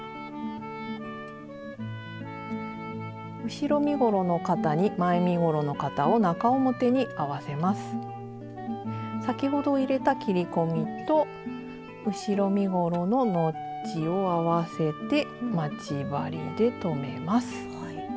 後ろ身ごろの肩に前身ごろの肩を先ほど入れた切り込みと後ろ身ごろのノッチを合わせて待ち針で留めます。